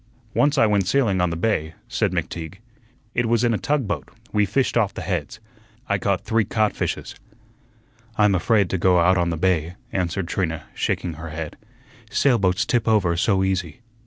"Once I went sailing on the bay," said McTeague. "It was in a tugboat; we fished off the heads. I caught three codfishes." "I'm afraid to go out on the bay," answered Trina, shaking her head, "sailboats tip over so easy.